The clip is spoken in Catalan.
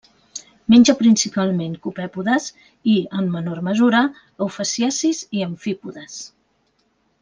Menja principalment copèpodes i, en menor mesura, eufausiacis i amfípodes.